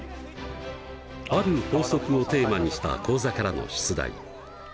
ある法則をテーマにした講座からの出題。